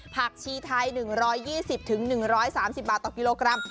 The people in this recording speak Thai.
ผักชีไทย๑๒๐๑๓๐บาทต่อกิโลกรัม